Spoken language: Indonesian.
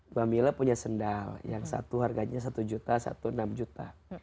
mbak mila punya sendal yang satu harganya satu juta satu enam juta